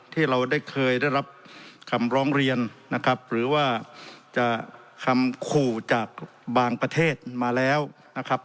ที่เราได้เคยได้รับคำร้องเรียนนะครับหรือว่าจะคำขู่จากบางประเทศมาแล้วนะครับ